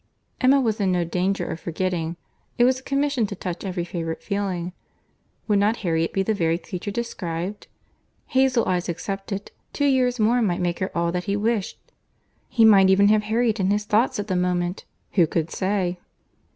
Emma was in no danger of forgetting. It was a commission to touch every favourite feeling. Would not Harriet be the very creature described? Hazle eyes excepted, two years more might make her all that he wished. He might even have Harriet in his thoughts at the moment; who could say?